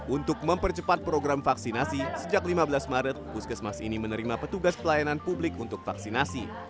untuk mempercepat program vaksinasi sejak lima belas maret puskesmas ini menerima petugas pelayanan publik untuk vaksinasi